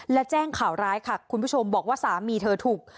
และแจ้งข่าวร้ายค่ะคุณผู้ชมบอกว่าสามีเธอถูก